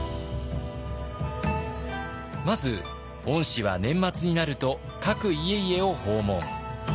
まず御師は年末になると各家々を訪問。